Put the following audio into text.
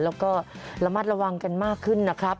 แล้วก็ระมัดระวังกันมากขึ้นนะครับ